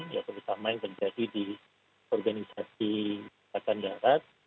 ya terutama yang terjadi di organisasi angkatan darat